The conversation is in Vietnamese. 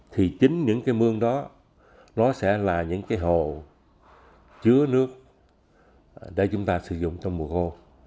thì chính những cái mương đó nó sẽ là những cái hồ chứa nước để chúng ta sử dụng trong mùa khô